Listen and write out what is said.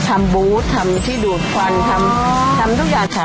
ทำบู๊ดทำที่ดูดควันทำทุกอย่าง